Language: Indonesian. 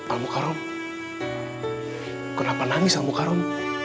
al mukarom kenapa nangis al mukarom